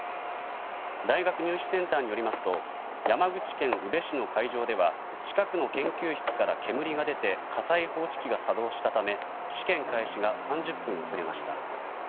大学入試センターによりますと山口県宇部市の会場では近くの研究室から煙が出て火災報知機が作動したため試験開始が３０分遅れました。